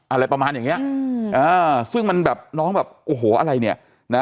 อะไรประมาณอย่างนี้ซึ่งมันน้องแบบโอ้โหอะไรเนี่ย